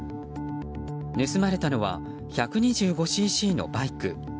盗まれたのは１２５ｃｃのバイク。